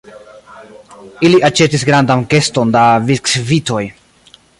Ili aĉetis grandan keston da biskvitoj.